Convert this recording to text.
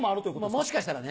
もしかしたらね。